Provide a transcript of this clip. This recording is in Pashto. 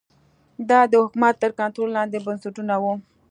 دا د حکومت تر کنټرول لاندې بنسټونه وو